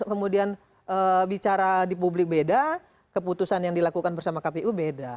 kemudian bicara di publik beda keputusan yang dilakukan bersama kpu beda